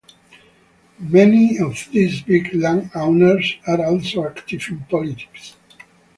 Many of these big landowners are also active in politics.